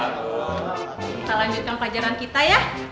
kita lanjutkan pelajaran kita ya